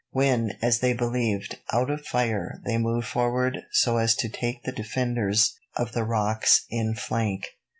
When, as they believed, out of fire, they moved forward so as to take the defenders of the rocks in flank.